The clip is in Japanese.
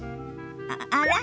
あら？